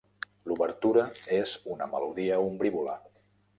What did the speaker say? L'obertura és una melodia ombrívola.